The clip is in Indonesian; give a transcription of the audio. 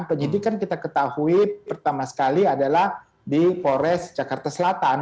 penyidik kan kita ketahui pertama sekali adalah di polres jakarta selatan